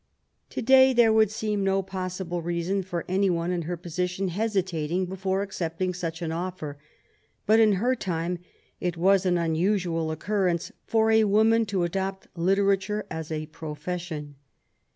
To day there would seem no possible reason for any one in her position hesitating before accepting such an ofier; but in her time it was an unusual occur rence for a woman to adopt literature as a profession.